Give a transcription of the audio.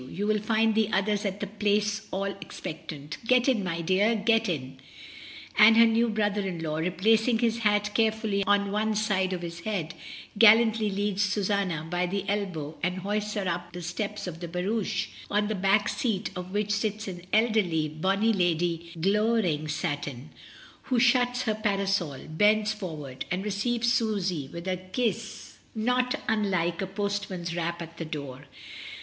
You will find the others at the Place all expectant! Get in, my dear, get in," and her new brother in law, replacing his hat carefully on one side of his head, gallantly leads Susanna by the elbow and hoists her up the steps of the barouche, on the back seat of which sits an elderly, bony lady in glowering satin, who shuts her parasol, bends for ward, and receives Susy with a kiss not unlike a postman's rap at the door.